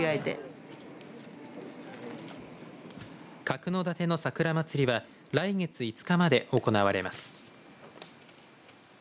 角館の桜まつりは来月５日まで行われます。